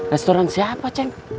restoran siapa ceng